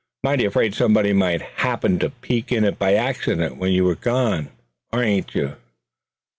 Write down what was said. Mighty afraid somebody might happen to peek in it by accident when you was gone, ain't you?"